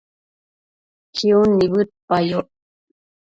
chiun nibëdpayoc